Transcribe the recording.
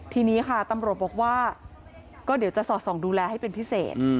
ทีนี้ค่ะตำรวจบอกว่าก็เดี๋ยวจะสอดส่องดูแลให้เป็นพิเศษ